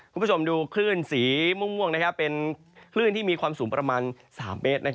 คุณผู้ชมดูคลื่นสีม่วงเป็นคลื่นที่มีความสูงประมาณ๓เมตร